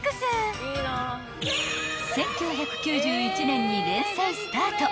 ［１９９１年に連載スタート］